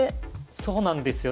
そうなんですよ。